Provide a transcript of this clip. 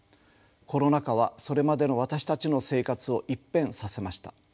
コロナ禍はそれまでの私たちの生活を一変させました。